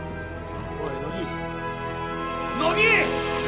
おい乃木乃木！